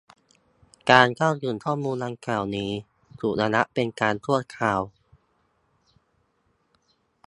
การเข้าถึงข้อมูลดังกล่าวนี้ ถูกระงับเป็นการชั่วคราว